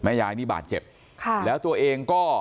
แม่ยายนี่บาดเจ็บแล้วตัวเองก็